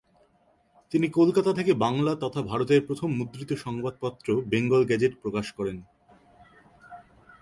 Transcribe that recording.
তিনি কলকাতা থেকে বাংলা তথা ভারতের প্রথম মুদ্রিত সংবাদপত্র বেঙ্গল গেজেট প্রকাশ করেন।